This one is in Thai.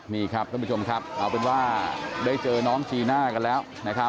นี่ครับท่านผู้ชมครับเอาเป็นว่าได้เจอน้องจีน่ากันแล้วนะครับ